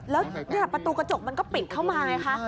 แล้วประตูกระจกมันก็ปิดเข้ามาไงคะ